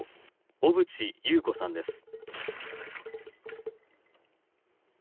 小渕優子さんです。